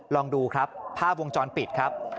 ลองดูครับภาพวงจรปิดครับ